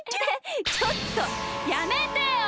ちょっとやめてよ！